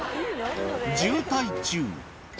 渋滞中。